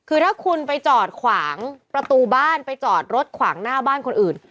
คือถ้าคุณไปจอดขวางประตูบ้านไปจอดรถขวางหน้าบ้านคนอื่น